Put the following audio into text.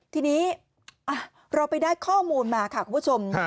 ทีนี้เราไปได้ข้อมูลมาค่ะคุณผู้ชม